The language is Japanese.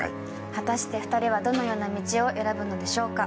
果たして２人はどのような道を選ぶのでしょうか。